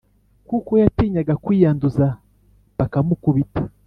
kuko yatinyaga kwiyanduza bakamukubita